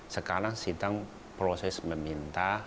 sekarang sedang proses meminta